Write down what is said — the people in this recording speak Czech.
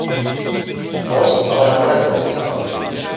Post ale nakonec nezískala.